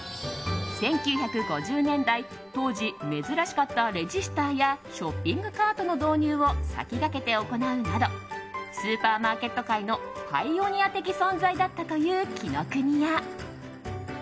１９５０年代当時、珍しかったレジスターやショッピングカートの導入を先駆けて行うなどスーパーマーケット界のパイオニア的存在だったという紀ノ国屋。